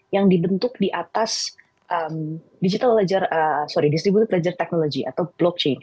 yang dibentuk di atas digital ledger sorry distributed ledger technology atau blockchain